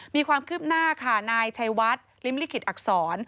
มีความคืบหน้าค่ะนายชัยวัดลิ้มลิขิตอักษร